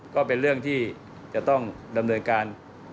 ก็เป็นเรื่องที่จะต้องดำเนินการ